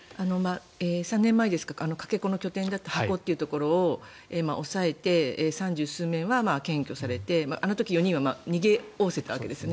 ３年前ですかかけ子の拠点だったハコというところを押さえて３０数名は検挙されてあの時４人は逃げおおせたわけですよね。